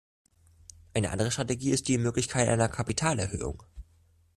Eine andere Strategie ist die Möglichkeit einer Kapitalerhöhung.